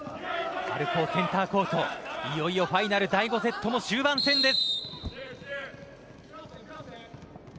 春高センターコート、いよいよファイナル第５セットも終盤戦です。